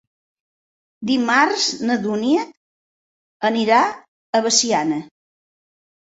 Dimarts na Dúnia anirà a Veciana.